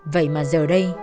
vậy mà giờ đây